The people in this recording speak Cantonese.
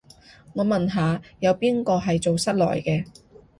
我問下，有邊個係做室內嘅